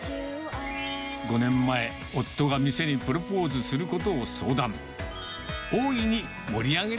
５年前、夫が店にプロポーズすることを相談。